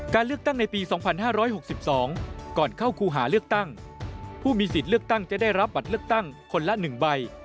เลือกตั้งในปี๒๕๖๒ก่อนเข้าคู่หาเลือกตั้งผู้มีสิทธิ์เลือกตั้งจะได้รับบัตรเลือกตั้งคนละ๑ใบ